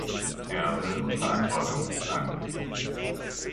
Erbe und Verantwortung", an.